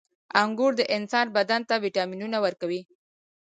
• انګور د انسان بدن ته ویټامینونه ورکوي.